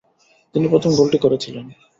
তিনি প্রথম গোলটি করেছিলেন।